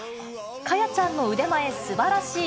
果耶ちゃんの腕前すばらしい。